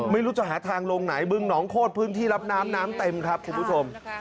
ไม่รู้จะหาทางลงไหนบึงหนองโคตรพื้นที่รับน้ำน้ำเต็มครับคุณผู้ชม